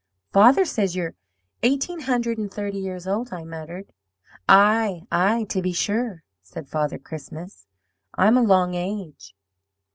"'Father says you're eighteen hundred and thirty years old,' I muttered. "'Aye, aye, to be sure,' said Father Christmas. 'I'm a long age.'